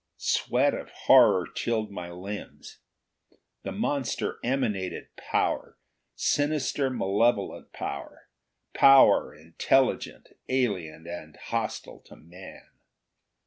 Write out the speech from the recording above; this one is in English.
Sweat of horror chilled my limbs. The monster emanated power, sinister, malevolent power, power intelligent, alien and hostile to man.